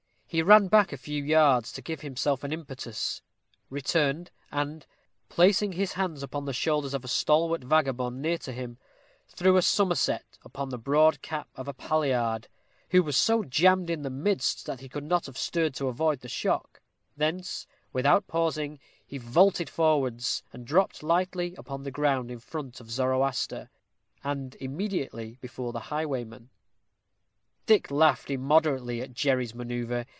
He ran back a few yards to give himself an impetus, returned, and, placing his hands upon the shoulders of a stalwart vagabond near to him, threw a summerset upon the broad cap of a palliard, who was so jammed in the midst that he could not have stirred to avoid the shock; thence, without pausing, he vaulted forwards, and dropped lightly upon the ground in front of Zoroaster, and immediately before the highwayman. Dick laughed immoderately at Jerry's manœuvre.